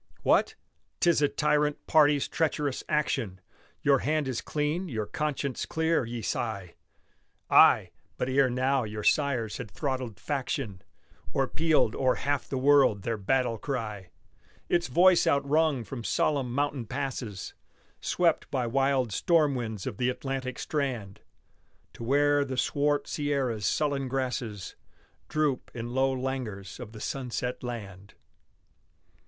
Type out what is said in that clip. What! 'tis a tyrant party's treacherous action Your hand is clean, your conscience clear, ye sigh; Ay! but ere now your sires had throttled faction, Or, pealed o'er half the world their battle cry; Its voice outrung from solemn mountain passes Swept by wild storm winds of the Atlantic strand, To where the swart Sierras' sullen grasses Droop in low languors of the sunset land!